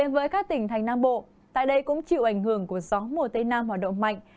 với các tỉnh thành nam bộ tại đây cũng chịu ảnh hưởng của gió mùa tây nam hoạt động mạnh